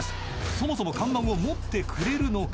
［そもそも看板を持ってくれるのか？］